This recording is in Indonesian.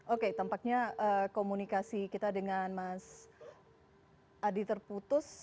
oke tampaknya komunikasi kita dengan mas adi terputus